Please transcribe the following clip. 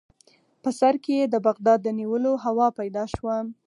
په سر کې یې د بغداد د نیولو هوا پیدا شوه.